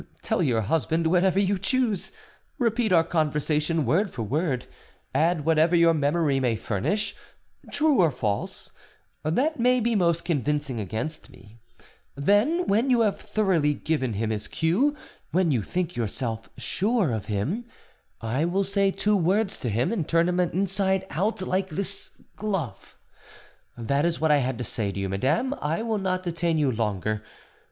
Tell your husband whatever you choose; repeat our conversation word for word; add whatever your memory may furnish, true or false, that may be most convincing against me; then, when you have thoroughly given him his cue, when you think yourself sure of him, I will say two words to him, and turn him inside out like this glove. That is what I had to say to you, madame I will not detain you longer.